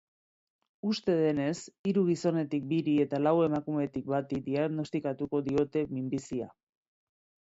Uste denez, hiru gizonetik biri eta lau emakumetik bati diagnostikatuko diote minbizia.